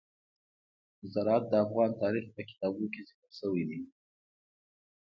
زراعت د افغان تاریخ په کتابونو کې ذکر شوی دي.